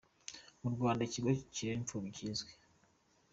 mu Rwanda mu kigo kirera imfubyi kizwi.